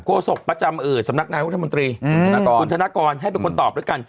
โศกประจำสำนักงานรัฐมนตรีคุณธนกรให้เป็นคนตอบแล้วกัน